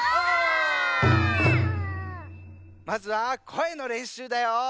まずはこえのれんしゅうだよ！